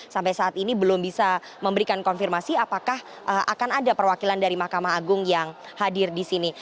sampai saat ini belum bisa memberikan konfirmasi apakah akan ada perwakilan dari mahkamah agung yang hadir di sini